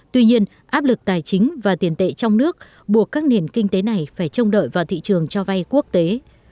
tuy nhiên áp lực tài chính và tiền tệ trong nước buộc các nền kinh tế này phải trông đợi vào thị trường cho vay quốc tế